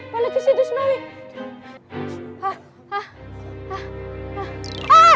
balik ke situ snowy